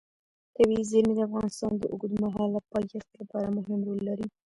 طبیعي زیرمې د افغانستان د اوږدمهاله پایښت لپاره مهم رول لري.